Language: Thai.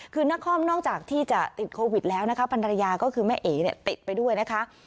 คือนครนอกจากที่จะติดโควิดแล้วนะคะพันรยาก็คือแม่เอ๋เนี่ยติดไปด้วยนะคะ